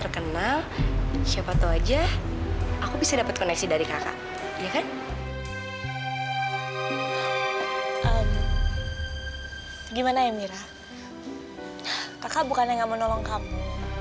kakak bukannya gak mau nolong kamu